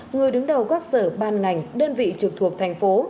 người đứng đầu các sở ban ngành đơn vị trực thuộc thành phố